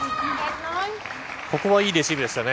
ここはいいレシーブでしたね。